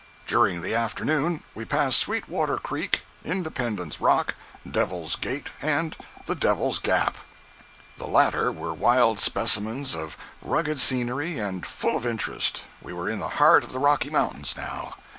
During the afternoon we passed Sweetwater Creek, Independence Rock, Devil's Gate and the Devil's Gap. The latter were wild specimens of rugged scenery, and full of interest—we were in the heart of the Rocky Mountains, now.